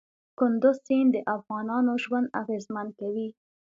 کندز سیند د افغانانو ژوند اغېزمن کوي.